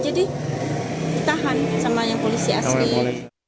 jadi ditahan sama yang polisi asli